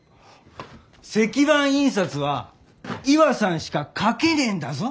石版印刷はイワさんしか描けねえんだぞ？